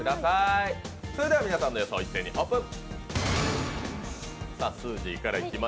それでは皆さんの予想、一斉にオープン。